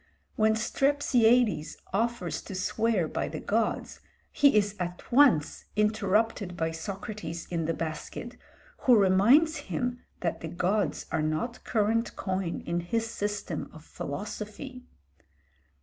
When Strepsiades offers to swear by the gods, he is at once interrupted by Socrates in the basket, who reminds him that the gods are not current coin in his system of philosophy.